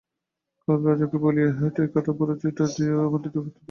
কাল রাজাকে বলিয়া হেঁটোয় কাঁটা উপরে কাঁটা দিয়া তোমাদের মাটিতে পুঁতিব তবে ছাড়িব।